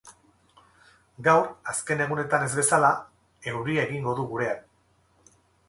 Gaur, azken egunotan ez bezala, euria egingo du gurean.